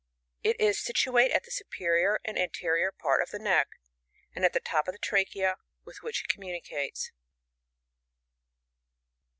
It is situate at the superior and an terior part of the neck; and at the top of the trachea, with which it communicates.